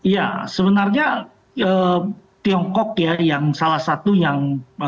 ya sebenarnya tiongkok ya yang salah satu yang